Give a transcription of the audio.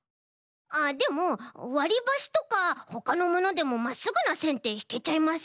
あっでもわりばしとかほかのものでもまっすぐなせんってひけちゃいません？